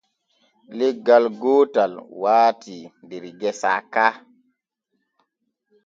Leggal gootal waati der gesa ka.